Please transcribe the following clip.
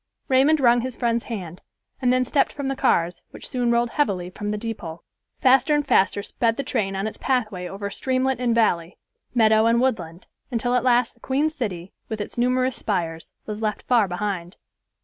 Raymond rung his friend's hand, and then stepped from the cars, which soon rolled heavily from the depot. Faster and faster sped the train on its pathway over streamlet and valley, meadow and woodland, until at last the Queen City, with its numerous spires, was left far behind.